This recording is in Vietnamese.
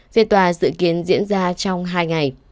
phiên tòa dự kiến diễn ra trong hai ngày